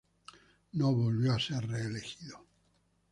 No volvió a ser reelegido.